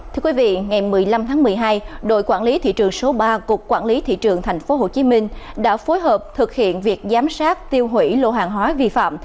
thưa quý vị ngày một mươi năm tháng một mươi hai đội quản lý thị trường số ba cục quản lý thị trường tp hcm đã phối hợp thực hiện việc giám sát tiêu hủy lô hàng hóa vi phạm